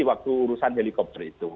waktu urusan helikopter itu